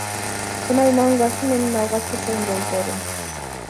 Кунай мангасы менин алгачкы чоң долбоорум.